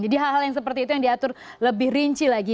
jadi hal hal yang seperti itu yang diatur lebih rinci lagi